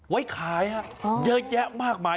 ไว้ขายเยอะแยะมากมาย